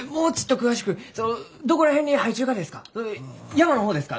山の方ですか？